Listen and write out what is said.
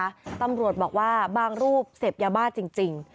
แล้วนะคะตำรวจบอกว่าบางรูปเสพยาบ้าจริงจริง